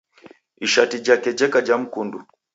Ishati jape jeka ja mkundu.